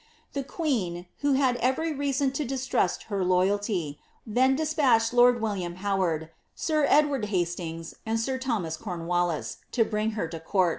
The queen, who had every reason to distrust her loyalty, then despatched lord William Howard, sir Edward Hastings, and sir Thomas Cornwallis, to brin^ her to coun.